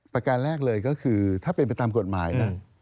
การแรกเลยก็คือถ้าเป็นไปตามกฎหมายนะ